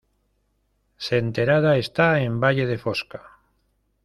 Senterada está en Valle de Fosca.